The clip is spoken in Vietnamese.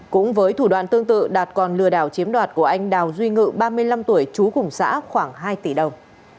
cũng với thủ đoạn tương tự đạt còn lừa đảo chiếm đoạt của anh đào duy ngự ba mươi năm tuổi trú cùng xã khoảng hai tỷ đồng